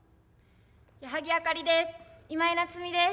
矢作あかりです。